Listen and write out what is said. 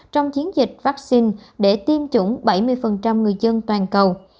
trong chiến dịch vaccine để tiêm chủng bảy mươi người dân toàn cầu